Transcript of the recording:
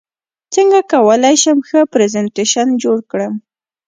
څنګه کولی شم ښه پرزنټیشن جوړ کړم